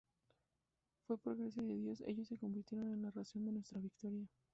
Por gracia de Dios, ellos se convirtieron en la razón de nuestra victoria.